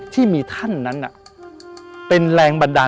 ที่มีท่านนั้นน่ะ